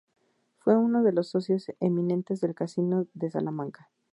Fue uno de los socios eminentes del Casino de Salamanca.